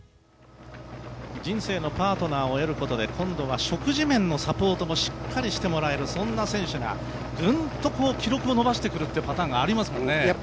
人生のパートナーを得ることで今度は食事面のサポートもしっかりしてもらえるそんな選手がぐんと記録を伸ばしてくるというパターンがありますもんね。